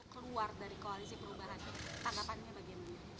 keluar dari koalisi perubahan tanggapannya bagaimana